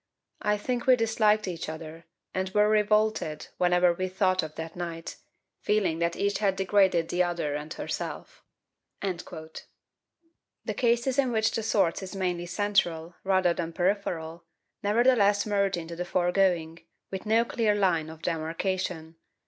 I think we disliked each other, and were revolted whenever we thought of that night, feeling that each had degraded the other and herself." The cases in which the source is mainly central, rather than peripheral, nevertheless merge into the foregoing, with no clear line of demarcation.